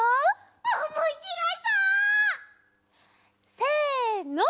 おもしろそう！せの！